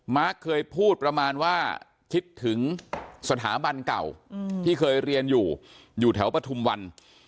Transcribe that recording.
เคยพูดประมาณว่าคิดถึงสถาบันเก่าที่เคยเรียนอยู่อยู่แถวปฐุมวัน